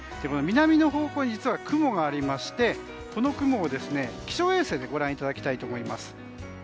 南の方向に実は雲がありましてこの雲、気象衛星でご覧いただきたいと思います。